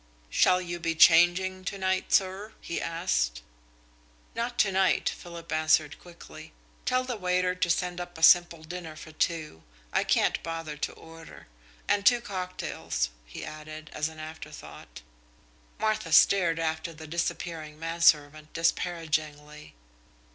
"Shall you be changing to night, sir?" he asked. "Not to night," Philip answered quickly. "Tell the waiter to send up a simple dinner for two I can't bother to order. And two cocktails," he added, as an afterthought. Martha stared after the disappearing manservant disparagingly.